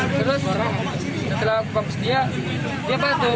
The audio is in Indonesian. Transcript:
terus setelah batu dia dia batu